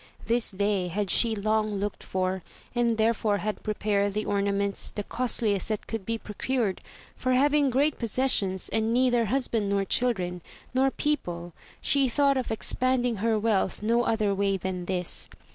This day had she long looked for, and therefore had prepared the ornaments, the costliest that could be procured, for having great possessions, and neither husband nor chHdren, nor people, she thought of expending her wealth no other way than this.